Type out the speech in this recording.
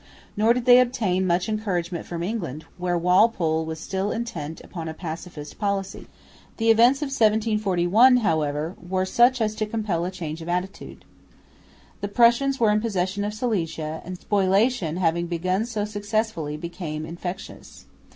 Nor did they obtain much encouragement from England, where Walpole was still intent upon a pacific policy. The events of 1741, however, were such as to compel a change of attitude. The Prussians were in possession of Silesia; and spoliation, having begun so successfully, became infectious.